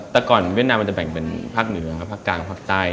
แต่ก่อนเวียดนามมันจะแบ่งเป็นภาคเหนือกับภาคกลางภาคใต้